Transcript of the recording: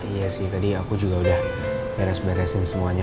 iya sih tadi aku juga udah beres beresin semuanya